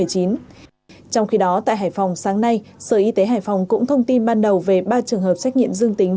trong khi đó tại hải phòng sáng nay sở y tế hải phòng cũng thông tin ban đầu về ba trường hợp xét nghiệm dương tính